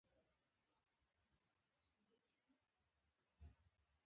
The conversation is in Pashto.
قلموال خپل تاریخي رسالت ترسره کړي